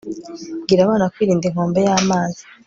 bwira abana kwirinda inkombe y'amazi